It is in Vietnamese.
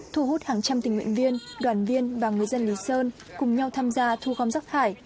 thu hút hàng trăm tình nguyện viên đoàn viên và người dân lý sơn cùng nhau tham gia thu gom rác thải